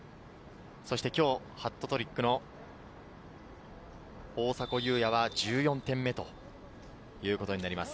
今日ハットトリックの大迫勇也は１４点目ということになります。